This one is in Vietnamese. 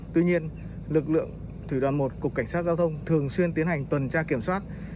tuy nhiên lực lượng thủy đoàn một cục cảnh sát giao thông thường xuyên tiến hành tuần tra kiểm soát